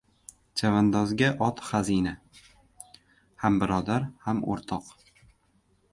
• Chavandozga ot xazina: ham birodar, ham o‘rtoq.